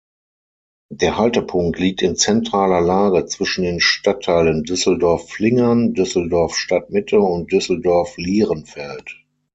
Der Haltepunkt liegt in zentraler Lage zwischen den Stadtteilen Düsseldorf-Flingern, Düsseldorf-Stadtmitte und Düsseldorf-Lierenfeld.